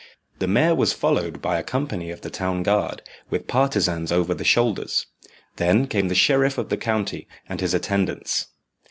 The mayor was followed by a company of the town guard, with partisans over the shoulders. Then came the sheriff of the county and his attendants.